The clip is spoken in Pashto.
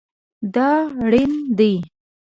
دا ریڼ دی